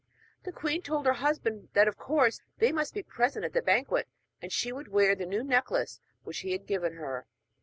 The queen told her husband that of course they must be present at the banquet, and she would wear the new necklace which he had given her.